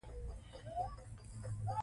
په ښوونځیو کې یې تدریس کړو.